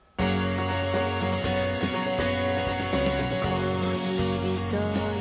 「恋人よ